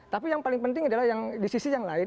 tapi yang paling penting adalah yang di sisi yang lain